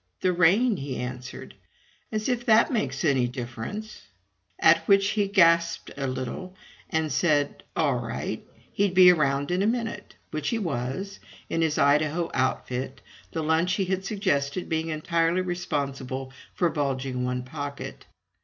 "The rain!" he answered. "As if that makes any difference!" At which he gasped a little and said all right, he'd be around in a minute; which he was, in his Idaho outfit, the lunch he had suggested being entirely responsible for bulging one pocket.